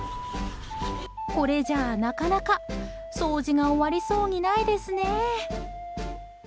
これじゃあ、なかなか掃除が終わりそうにないですね。